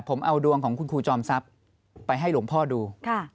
ผมเอาดวงของคุณครูจอมทรัพย์ไปให้หลวงพ่อดู